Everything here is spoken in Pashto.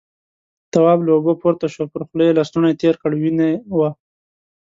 تواب له اوبو پورته شو، پر خوله يې لستوڼی تېر کړ، وينې وه.